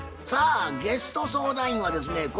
さあゲスト相談員はですね